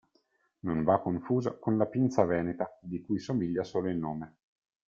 Non va confuso con la pinza veneta, di cui somiglia solo il nome.